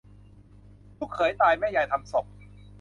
ลูกเขยตายแม่ยายทำศพ